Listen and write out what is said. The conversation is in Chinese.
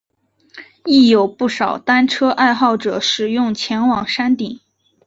亦有不少单车爱好者使用前往山顶。